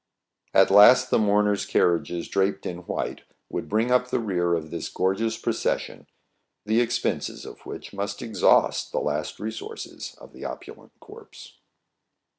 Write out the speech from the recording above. At last the mourners' carriages draped in white would bring up the rear of this gorgeous proces sion, the expenses of which must exhaust the last resources of the opulent corpse.